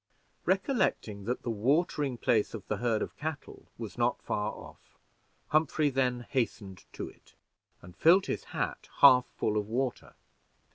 Recollecting that the watering place of the herd of cattle was not far off, Humphrey then hastened to it, and filled his hat half full of water.